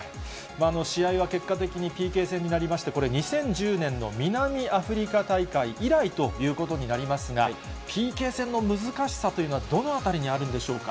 試合は結果的にＰＫ戦になりまして、これ、２０１０年の南アフリカ大会以来ということになりますが、ＰＫ戦の難しさというのは、どのあたりにあるんでしょうか。